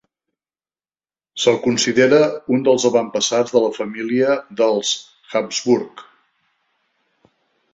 Se'l considera un dels avantpassats de la família dels Habsburg.